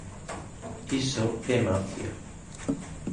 Iso é mafia.